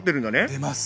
出ます。